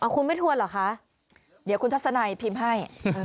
คุณไม่ทวนเหรอคะเดี๋ยวคุณทัศนัยพิมพ์ให้